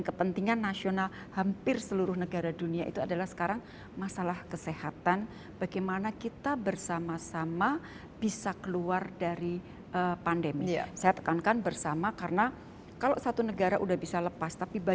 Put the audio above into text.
cepatan kita bergerak itu sangat menentukan